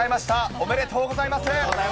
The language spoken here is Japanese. おめでとうございます。